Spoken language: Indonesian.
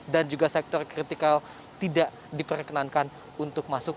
dan juga sektor kritikal tidak diperkenankan untuk masuk